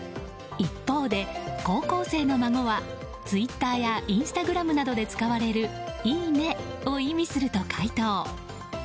一方で、高校生の孫はツイッターやインスタグラムなどで使われるいいねを意味すると回答。